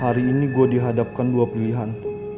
hari ini gue dihadapkan dua pilihan